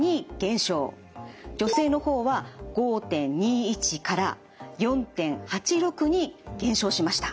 女性の方は５．２１から４．８６に減少しました。